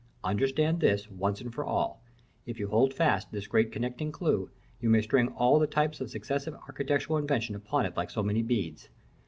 Understand this, once for all: if you hold fast this great connecting clue, you may string all the types of successive architectural invention upon it like so many beads.